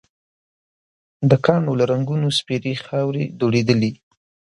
د کاڼو له رنګونو سپېرې خاورې دوړېدلې.